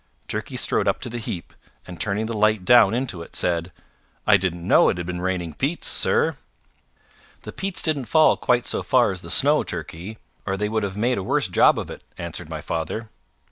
Turkey strode up to the heap, and turning the light down into it said, "I didn't know it had been raining peats, sir." "The peats didn't fall quite so far as the snow, Turkey, or they would have made a worse job of it," answered my father.